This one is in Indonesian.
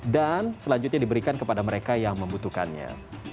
dan selanjutnya diberikan kepada mereka yang membutuhkannya